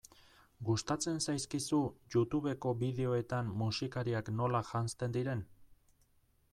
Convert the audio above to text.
Gustatzen zaizkizu Youtubeko bideoetan musikariak nola janzten diren?